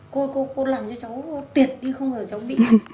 cô làm cho cháu tuyệt đi không bao giờ cháu bị